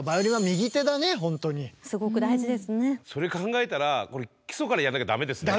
それ考えたらこれ基礎からやんなきゃダメですね。